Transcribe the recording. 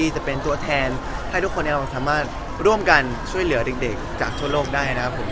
จะเป็นตัวแทนให้ทุกคนเราสามารถร่วมกันช่วยเหลือเด็กจากทั่วโลกได้นะครับผม